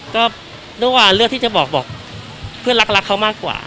ก็ด้วยความเลือกที่จะบอกเพื่อนรักเขามากกว่า